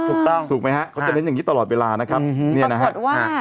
ถูกต้องถูกไหมครับเขาจะเน้นอย่างนี้ตลอดเวลานะครับนี่นะครับปรากฏว่า